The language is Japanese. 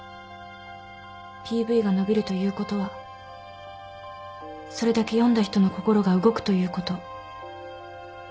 ＰＶが伸びるということはそれだけ読んだ人の心が動くということ。